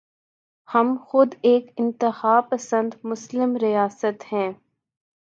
ہم خود ایک انتہا پسند مسلم ریاست ہیں۔